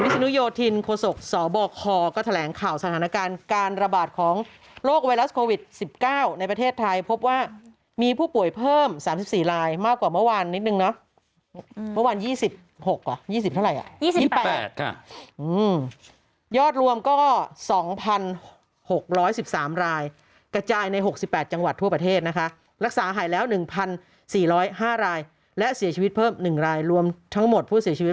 สบคก็แถลงข่าวสถานการณ์การระบาดของโรคไวรัสโควิด๑๙ในประเทศไทยพบว่ามีผู้ป่วยเพิ่ม๓๔รายมากกว่าเมื่อวานนิดนึงเนาะเมื่อวาน๒๖ว่ะ๒๐เท่าไหร่๒๘ยอดรวมก็๒๖๑๓รายกระจายใน๖๘จังหวัดทั่วประเทศนะคะรักษาหายแล้ว๑๔๐๕รายและเสียชีวิตเพิ่ม๑รายรวมทั้งหมดผู้เสียชีวิต